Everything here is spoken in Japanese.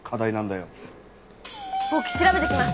ぼく調べてきます。